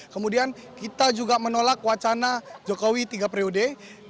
kemudian kita juga menolak wacana jokowi tiga periode